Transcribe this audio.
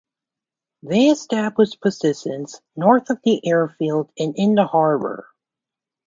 They established positions north of the airfield and in the harbor.